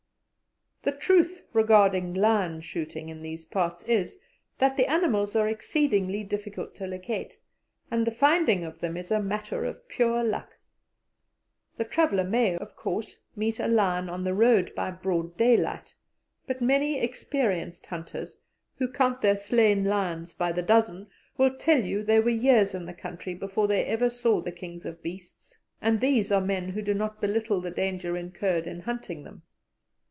The truth regarding lion shooting in these parts is, that the animals are exceedingly difficult to locate, and the finding of them is a matter of pure luck. The traveller may, of course, meet a lion on the road by broad daylight; but many experienced hunters, who count their slain lions by the dozen, will tell you they were years in the country before they ever saw the kings of beasts, and these are men who do not belittle the danger incurred in hunting them.